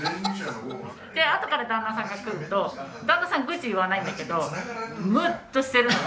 であとから旦那さんが来ると旦那さん愚痴言わないんだけどムッとしてるので。